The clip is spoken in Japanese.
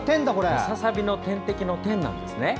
ムササビの天敵のテンなんですね。